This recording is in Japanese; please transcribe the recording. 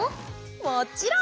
もちろん！